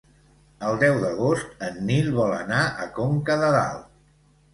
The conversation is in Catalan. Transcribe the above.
El deu d'agost en Nil vol anar a Conca de Dalt.